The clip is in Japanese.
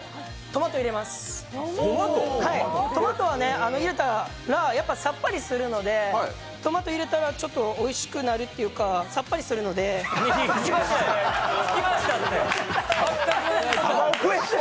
トマトは入れたらさっぱりするので、トマト入れたら、ちょっとおいしくなるっていうか、さっぱりするので聞きましたって。